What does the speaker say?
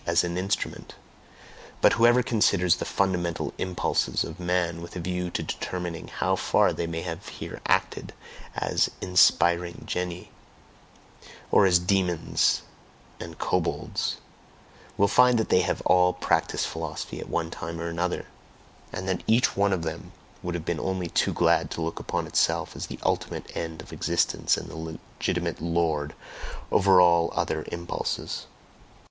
as an instrument. But whoever considers the fundamental impulses of man with a view to determining how far they may have here acted as INSPIRING GENII (or as demons and cobolds), will find that they have all practiced philosophy at one time or another, and that each one of them would have been only too glad to look upon itself as the ultimate end of existence and the legitimate LORD over all the other impulses.